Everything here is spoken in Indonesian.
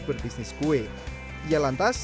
berbisnis kue ia lantas